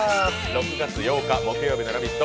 ６月８日木曜日の「ラヴィット！」